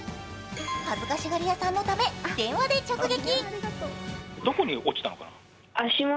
恥ずかしがり屋さんのため電話で直撃。